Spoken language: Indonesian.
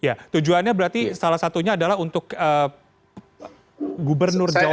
ya tujuannya berarti salah satunya adalah untuk gubernur jawa